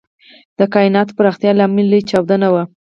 د کائناتو پراختیا لامل لوی چاودنه وه.